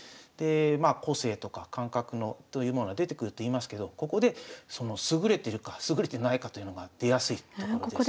まあ個性とか感覚というものが出てくると言いますけどここでその優れてるか優れてないかというのが出やすいところです。